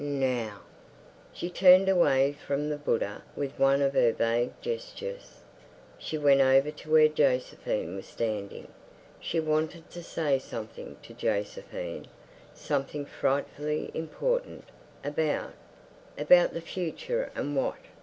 Now? She turned away from the Buddha with one of her vague gestures. She went over to where Josephine was standing. She wanted to say something to Josephine, something frightfully important, about—about the future and what....